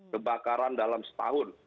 kebakaran dalam setahun